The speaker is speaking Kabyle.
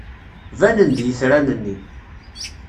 Banen-d yitran-nni.